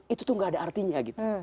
itu tidak ada artinya